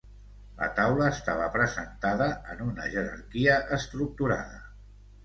La taula estava presentada en una jerarquia estructurada.